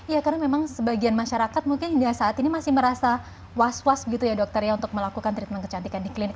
ya karena memang sebagian masyarakat mungkin hingga saat ini masih merasa was was gitu ya dokter ya untuk melakukan treatment kecantikan di klinik